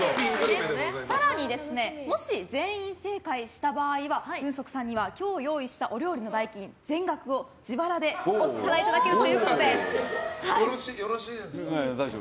更にもし全員正解した場合グンソクさんには今日用意したお料理の代金全額をお支払いいただけるよろしいですか？